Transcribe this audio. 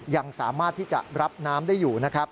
ยังสามารถที่จะรับน้ำได้อยู่